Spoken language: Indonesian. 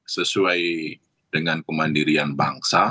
sesuai dengan kemandirian bangsa